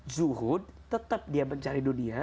zuhud tetap dia mencari dunia